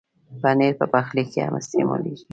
پنېر په پخلي کې هم استعمالېږي.